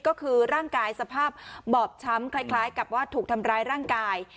ก็คือร่างกายสภาพบอบช้ำคล้ายกับว่าถูกทำร้ายร่างกาย